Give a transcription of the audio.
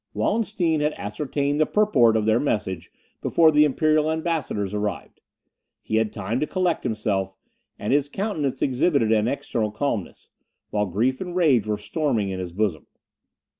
Wallenstein had ascertained the purport of their message before the imperial ambassadors arrived. He had time to collect himself, and his countenance exhibited an external calmness, while grief and rage were storming in his bosom.